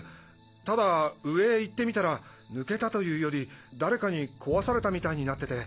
ただ上へ行ってみたら抜けたというより誰かに壊されたみたいになってて。